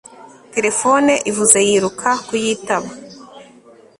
Terefone ivuze yiruka kuyitaba